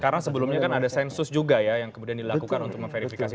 karena sebelumnya kan ada sensus juga ya yang kemudian dilakukan untuk meverifikasi